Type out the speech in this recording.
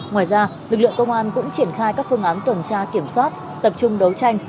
ngoài ra lực lượng công an cũng triển khai các phương án tuần tra kiểm soát tập trung đấu tranh